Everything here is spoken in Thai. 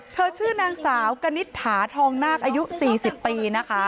เธอชื่อนางสากณิษฐาทองนาภอายุ๔๐ปี